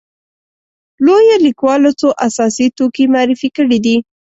لویو لیکوالو څو اساسي توکي معرفي کړي دي.